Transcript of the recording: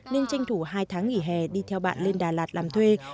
nên tranh thủ hai tháng nghỉ hè đi theo bạn lên đà lạt làm thuê